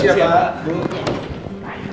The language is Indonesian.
terima kasih ya pak